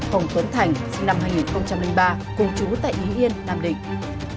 hồng tuấn thành sinh năm hai nghìn ba cùng chú tại ý yên nam định